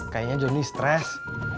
kayaknya johnny stress